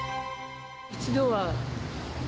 一度は。